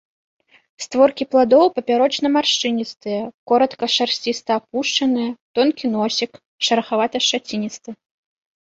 Створкі пладоў папярочна-маршчыністыя, коратка шарсціста-апушаныя, тонкі носік, шарахавата-шчаціністы.